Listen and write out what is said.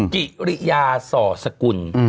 กิริยาส่อสกุล